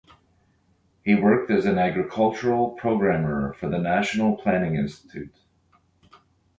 He worked as an agricultural programmer for the National Planning Institute.